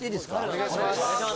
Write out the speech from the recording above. お願いします